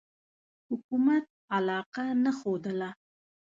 حکومت علاقه نه ښودله.